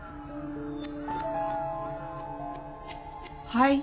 ・はい？